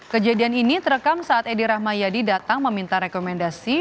kejadian ini terekam saat edi rahmayadi datang meminta rekomendasi